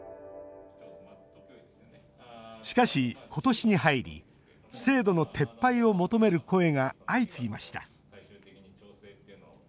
しかし、ことしに入り制度の撤廃を求める声が相次ぎました。